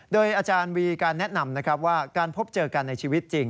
โดยอาจารย์วีการแนะนำนะครับว่าการพบเจอกันในชีวิตจริง